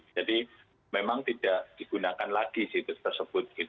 jadi memang tidak digunakan lagi situs tersebut